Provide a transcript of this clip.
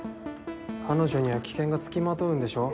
彼女には危険がつきまとうんでしょ？